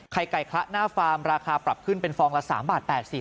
ไก่คละหน้าฟาร์มราคาปรับขึ้นเป็นฟองละ๓บาท๘๐บาท